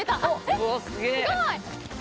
すごい！